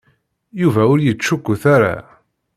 Yuba ur yettcukkut ara.